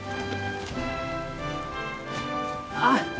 あっ！